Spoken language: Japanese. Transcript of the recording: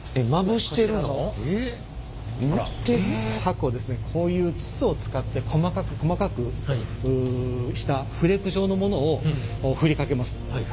箔をこういう筒を使って細かく細かくしたフレーク状のものをふりかけます。